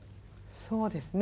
そうですね。